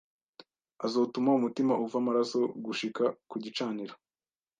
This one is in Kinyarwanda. Azotuma umutima uva amaraso gushika ku gicaniro